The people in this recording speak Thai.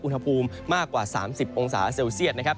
อุณหภูมิมากกว่า๓๐องศาเซลเซียตนะครับ